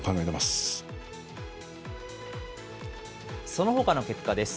そのほかの結果です。